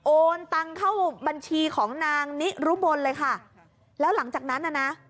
โอนตังเข้าบัญชีของนางนิรุมลเลยค่ะแล้วหลังจากนั้นน่ะนะ